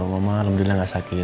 mama alhamdulillah gak sakit